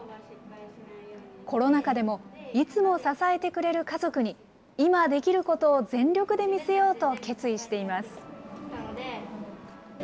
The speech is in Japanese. コロナ禍でも、いつも支えてくれる家族に、今できることを全力で見せようと決意しています。